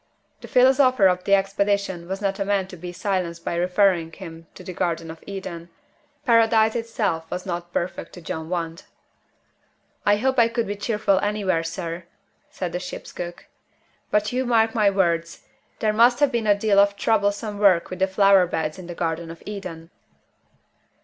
The philosopher of the Expedition was not a man to be silenced by referring him to the Garden of Eden. Paradise itself was not perfect to John Want. "I hope I could be cheerful anywhere, sir," said the ship's cook. "But you mark my words there must have been a deal of troublesome work with the flower beds in the Garden of Eden."